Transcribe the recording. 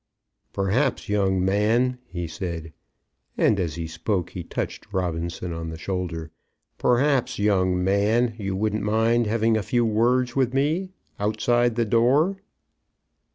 "Perhaps, young man," he said, and as he spoke he touched Robinson on the shoulder, "perhaps, young man, you wouldn't mind having a few words with me outside the door."